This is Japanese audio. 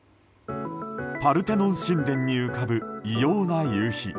パルテノン神殿に浮かぶ異様な夕日。